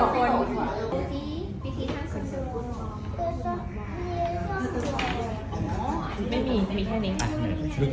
ไม่มีไม่มีแค่นี้